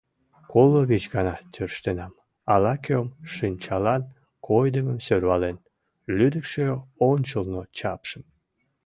Коло вич гана тӧрштенам! — ала-кӧм, шинчалан койдымым сӧрвален, лӱдыкшӧ ончылно чапшым аралаш тырша.